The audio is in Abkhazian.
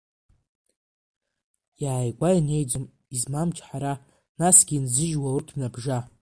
Иааигәа инеиӡом измам чҳара, насгьы инзыжьуа урҭ мҩабжа.